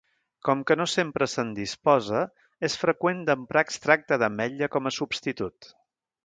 Com que no sempre se'n disposa, és freqüent d'emprar extracte d'ametlla com a substitut.